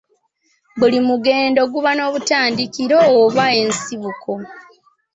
Buli mugendo guba n'obutandikiro oba ensibuko